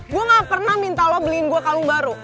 gue gak pernah minta lo beliin gue kalung baru